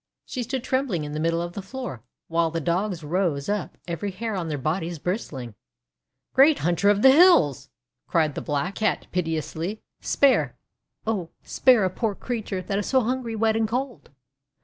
She stood trembling in the middle of the floor, while the Dogs rose up, every hair on their bodies bristling. "Great Hunter of the Hills !" cried the Black 346 THE WONDER GARDEN Cat piteously. :( Spare, oh, spare a poor crea ture that is so hungry, wet, and cold!'